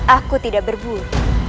aku tidak berburu